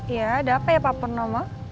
ya ada apa ya pak purnomo